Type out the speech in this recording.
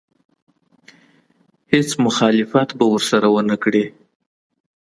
هېڅ مخالفت به ورسره ونه کړي.